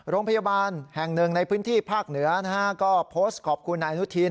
โรงพยาบาลแห่งหนึ่งในพื้นที่ภาคเหนือนะฮะก็โพสต์ขอบคุณนายอนุทิน